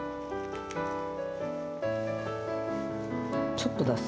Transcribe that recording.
ちょっと出す。